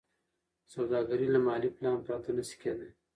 سوداګري له مالي پلان پرته نشي کېدای.